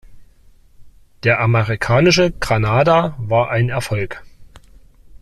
Der amerikanische Granada war ein Erfolg.